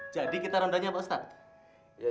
jadi kita rendahnya pak ustadz